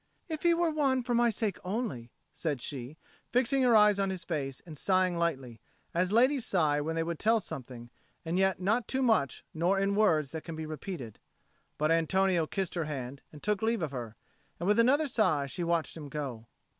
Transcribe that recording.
"If he were one for my sake only," said she, fixing her eyes on his face and sighing lightly, as ladies sigh when they would tell something, and yet not too much nor in words that can be repeated. But Antonio kissed her hand, and took leave of her; and with another sigh she watched him go.